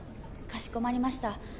かしこまりました